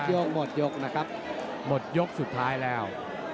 หมดยกหมดยกสุดท้ายแล้ว